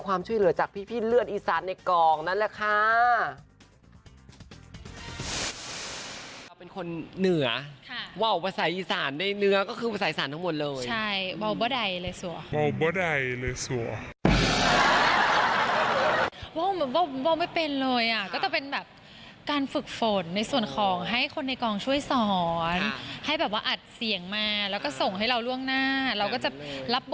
ความช่วยเหลือจากพี่เลือดอีสานในกองนั่นแหละค่ะ